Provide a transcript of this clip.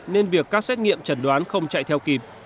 nên việc các xét nghiệm chẩn đoán không chạy theo kịp